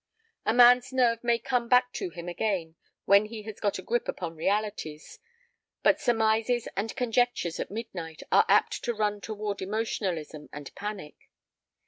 A man's nerve may come back to him again when he has got a grip upon realities, but surmises and conjectures at midnight are apt to run toward emotionalism and panic.